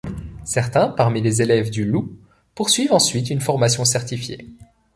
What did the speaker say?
Certains parmi les élèves du Loup, poursuivent ensuite une formation certifiée.